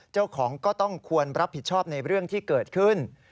เจ้าของก็ต้องควรรับผิดชอบในเรื่องที่เกิดขึ้น